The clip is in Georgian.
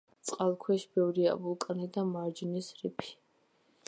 წყალქვეშ ბევრია ვულკანი და მარჯნის რიფი.